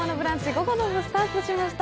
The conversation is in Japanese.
午後の部、スタートしました。